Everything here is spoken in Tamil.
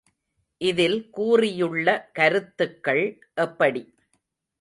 இதில் கூறியுள்ள கருத்துக்கள் எப்படி?